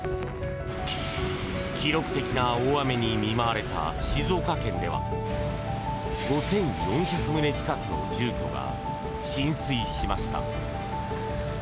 記録的な大雨に見舞われた静岡県では５４００棟近くの住居が浸水しました。